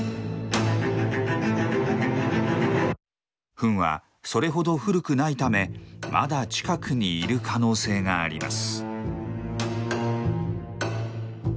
フンはそれほど古くないためまだ近くにいる可能性があります。